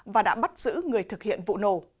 và đã bắt giữ người thực hiện vụ nổ